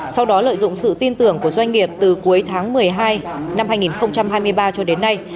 sau đó lợi dụng sự tin tưởng của doanh nghiệp từ cuối tháng một mươi hai năm hai nghìn hai mươi ba cho đến nay